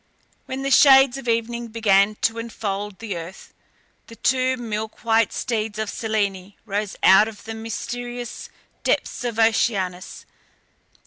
When the shades of evening began to enfold the earth, the two milk white steeds of Selene rose out of the mysterious depths of Oceanus.